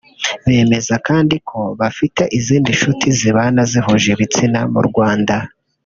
Bemeza kandi ko bafite izindi nshuti zibana zihuje ibitsina mu Rwanda